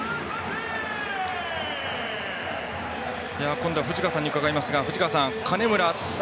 今度は藤川さんに伺いますが金村は